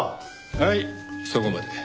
はいそこまで。